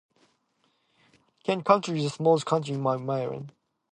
Kent County is the smallest county in Maryland.